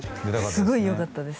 すごいよかったです